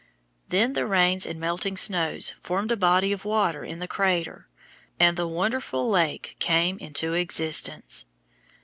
Then the rains and melting snows formed a body of water in the crater, and the wonderful lake came into existence.